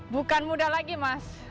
bukan muda lagi mas lima puluh enam